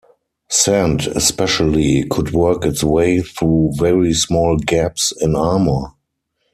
Sand, especially, could work its way through very small gaps in armour.